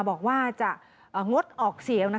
บอกว่าจะงดออกเสียง